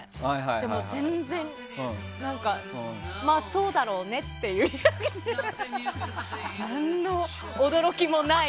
でも、全然まあそうだろうなっていう感じで何の驚きもない。